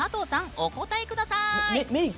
お答えください！